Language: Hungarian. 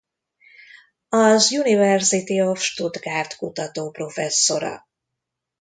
Az University of Stuttgart kutató professzora.